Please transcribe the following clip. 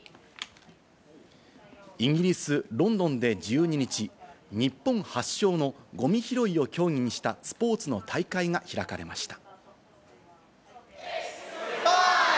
イギリス、ロンドンで１２日、日本発祥のゴミ拾いを協議したスポーツの大会が開かれました。